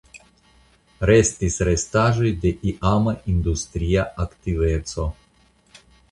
Restis restaĵoj de iama industria aktiveco.